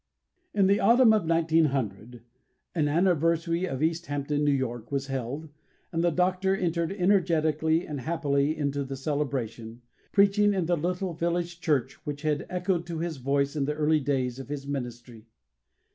In the autumn of 1900, an anniversary of East Hampton, N.Y., was held, and the Doctor entered energetically and happily into the celebration, preaching in the little village church which had echoed to his voice in the early days of his ministry.